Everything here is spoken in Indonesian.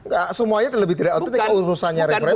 gak semuanya yang lebih tidak authentic urusannya referensi